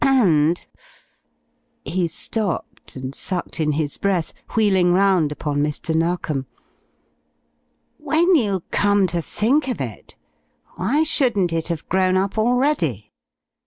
And" he stopped and sucked in his breath, wheeling round upon Mr. Narkom "when you come to think of it, why shouldn't it have grown up already?